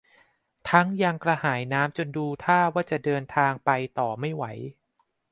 ทั้งยังกระหายน้ำจนดูท่าว่าจะเดินทางไปต่อไม่ไหว